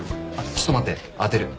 ちょっと待って当てる。